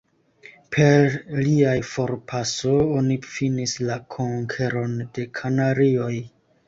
Per lia forpaso, oni finis la Konkeron de Kanarioj.